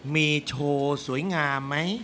มีโชว์สวยงามไหม